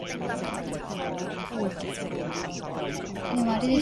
水晶即係高級嘅玻璃